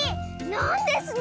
なんですの